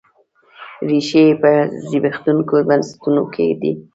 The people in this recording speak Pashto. ریښې یې په زبېښونکو بنسټونو کې دي.